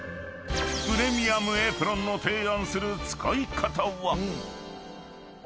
［プレミアムエプロンの提案する使い方は？］